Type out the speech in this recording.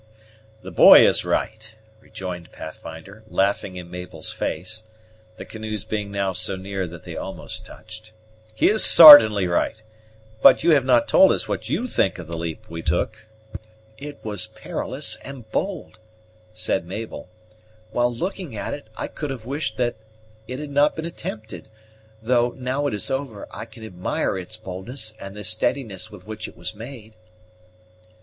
"The boy is right," rejoined Pathfinder, laughing in Mabel's face, the canoes being now so near that they almost touched; "he is sartainly right. But you have not told us what you think of the leap we took?" "It was perilous and bold," said Mabel; "while looking at it, I could have wished that it had not been attempted, though, now it is over, I can admire its boldness and the steadiness with which it was made."